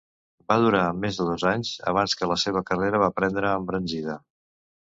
Va durar més de dos anys abans que la seva carrera va prendre embranzida.